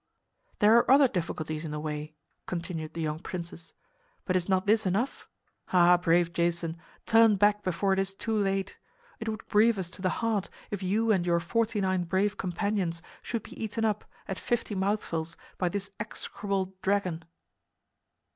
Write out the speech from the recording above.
"There are other difficulties in the way," continued the young princes. "But is not this enough? Ah, brave Jason, turn back before it is too late! It would grieve us to the heart if you and your forty nine brave companions should be eaten up, at fifty mouthfuls, by this execrable dragon."